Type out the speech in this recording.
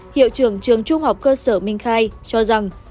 hiệu trưởng trường trung học cơ sở minh khai cho rằng